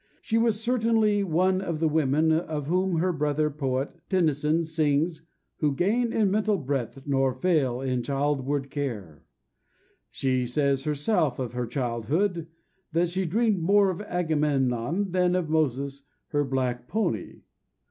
She was certainly one of the women of whom her brother poet, Tennyson, sings, who "gain in mental breadth nor fail in childward care." She says herself of her childhood that "she dreamed more of Agamemnon than of Moses her black pony."